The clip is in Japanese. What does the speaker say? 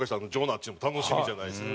っちゅうのも楽しみじゃないですか。